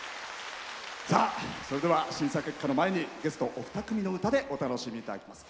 それでは審査結果の前にゲストお二組の歌でお楽しみいただきます。